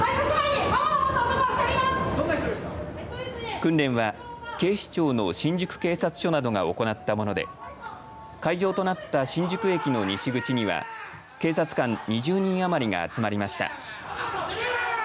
訓練は警視庁の新宿警察署などが行ったもので、会場となった新宿駅の西口には警察官２０人余りが集まりました。